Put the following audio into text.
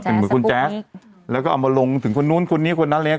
เป็นเหมือนคุณแจ๊สแล้วก็เอามาลงถึงคนนู้นคนนี้คนนั้นเลี้